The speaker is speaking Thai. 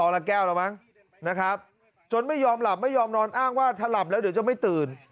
ละแก้วแล้วมั้งนะครับจนไม่ยอมหลับไม่ยอมนอนอ้างว่าถ้าหลับแล้วเดี๋ยวจะไม่ตื่น